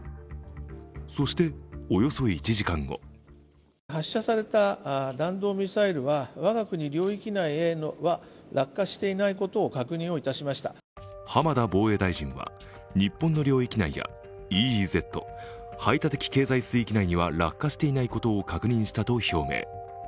そして、およそ１時間後浜田防衛大臣は、日本の領域内やＥＥＺ＝排他的経済水域には落下していないことを確認したと表明。